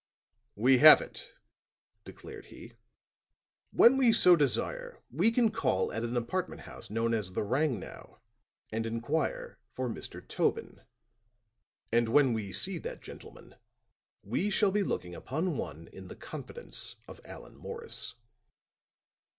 "We have it," declared he. "When we so desire, we can call at an apartment house known as the 'Rangnow' and inquire for Mr. Tobin. And when we see that gentleman we shall be looking upon one in the confidence of Allan Morris."